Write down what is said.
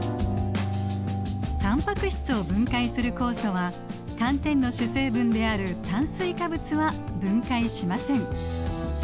タンパク質を分解する酵素は寒天の主成分である炭水化物は分解しません。